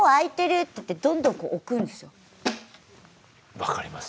分かります。